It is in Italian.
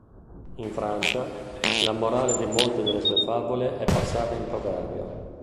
In Francia, la morale di molte delle sue favole è passata in proverbio.